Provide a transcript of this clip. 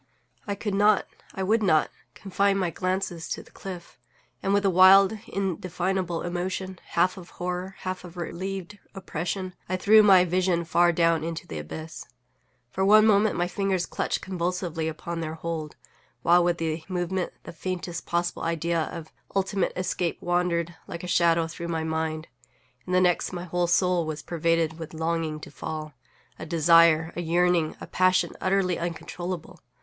I could not, I would not, confine my glances to the cliff; and, with a wild, indefinable emotion, half of horror, half of a relieved oppression, I threw my vision far down into the abyss. For one moment my fingers clutched convulsively upon their hold, while, with the movement, the faintest possible idea of ultimate escape wandered, like a shadow, through my mind—in the next my whole soul was pervaded with a longing to fall; a desire, a yearning, a passion utterly uncontrollable.